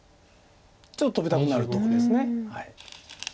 ちょっとトビたくなるところです。